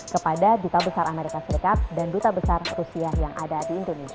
kepada duta besar amerika serikat dan duta besar rusia yang ada di indonesia